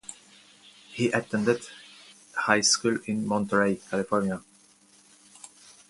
He attended high school in Monterey, California.